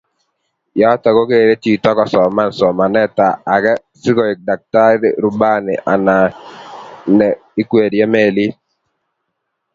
Yoto kogeere chito kosoman somanetab age si koek daktari, rubani anan ne ikwerie melit.